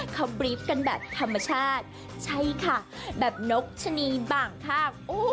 เขาบรีฟกันแบบธรรมชาติใช่ค่ะแบบนกชะนีบางข้าง